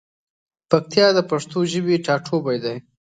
پکتیا د پښتو ژبی ټاټوبی دی.